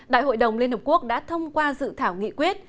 đại hội đồng liên hợp quốc đã thông qua dự thảo nghị quyết